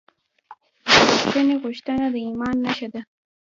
د بښنې غوښتنه د ایمان نښه ده.